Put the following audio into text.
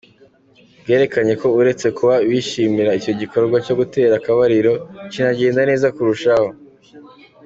Bwerekanye ko uretse kuba bishimira icyo gikorwa cyo gutera akabariro, kinagenda neza kurushaho.